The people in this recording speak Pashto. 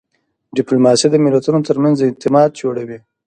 ډیپلوماسي د ملتونو ترمنځ اعتماد جوړوي.